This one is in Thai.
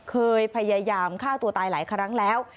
เคยพยายามฆ่าตัวตายหลายครั้งแล้ว